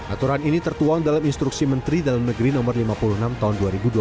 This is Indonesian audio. aturan ini tertuang dalam instruksi menteri dalam negeri no lima puluh enam tahun dua ribu dua puluh